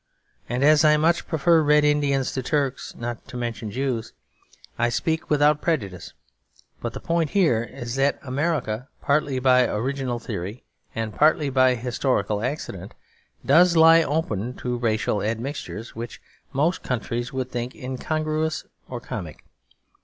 And as I much prefer Red Indians to Turks, not to mention Jews, I speak without prejudice; but the point here is that America, partly by original theory and partly by historical accident, does lie open to racial admixtures which most countries would think incongruous or comic.